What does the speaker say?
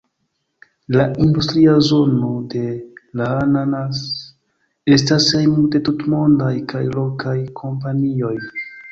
La industria zono de Ra'anana's estas hejmo de tutmondaj kaj lokaj kompanioj.